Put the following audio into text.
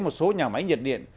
một số nhà máy nhiệt điện